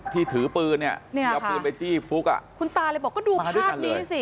ที่ถือปืนนี่อะนี่ค่ะเอาปืนไปจี้ฟลุกอ่ะคุณตาเลยบอกก็ดูภาษณ์ดิสิ